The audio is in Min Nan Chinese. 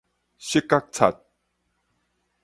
失角擦